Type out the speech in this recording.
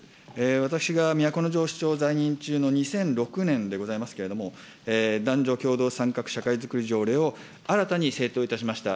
私が都城市長在任中、２００６年でございますけれども、男女共同参画社会づくり条例を新たに制定をいたしました。